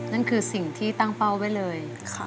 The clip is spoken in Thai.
นั่นคือสิ่งที่ตั้งเป้าไว้เลย